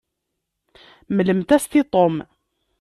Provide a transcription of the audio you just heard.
Mmlemt-as-t i Tom.